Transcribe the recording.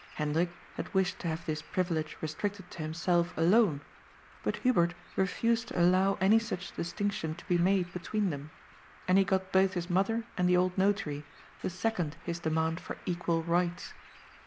Hendrik had wished to have this privilege restricted to himself alone, but Hubert refused to allow any such distinction to be made between them, and he got both his mother and the old notary to second his demand for equal rights.